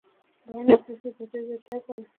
ভয়ানক কিছু ঘটে যেতে পারত।